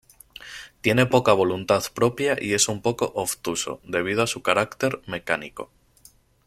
Tiene poca voluntad propia y es un poco obtuso, debido a su carácter mecánico.